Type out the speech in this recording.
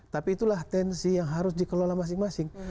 tapi itulah tensi yang harus dikelola masing masing